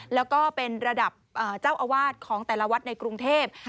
แล้วก็เป็นระดับเจ้าอาวาสของแต่ละวัดในกรุงเทพ